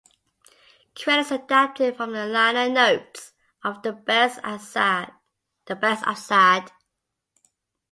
Credits adapted from the liner notes of "The Best of Sade".